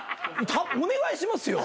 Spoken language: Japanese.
お願いしますよ。